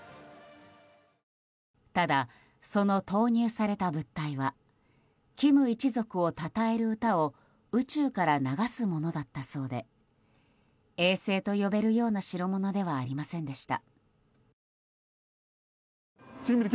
ただ、その投入された物体は「金一族をたたえる歌」を宇宙から流すものだったそうで衛星と呼べるような代物ではありませんでした。